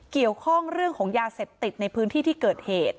เกี่ยวข้องเรื่องของยาเสพติดในพื้นที่ที่เกิดเหตุ